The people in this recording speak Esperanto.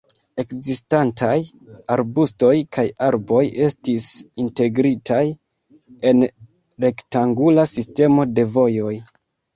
Ekzistantaj arbustoj kaj arboj estis integritaj en rektangula sistemo de vojoj.